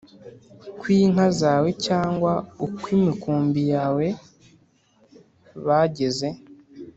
kw inka zawe cyangwa ukw imikumbi yawe bageze